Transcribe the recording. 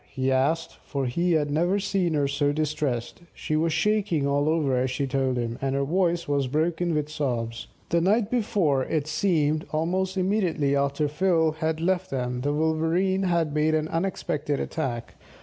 he asked, for he had never seen her so distressed. She was shaking all over as she told him, and her voice was broken with sobs. The night before, it seemed, almost immediately after Phil had left them, the Wolverene had made an unexpected attack.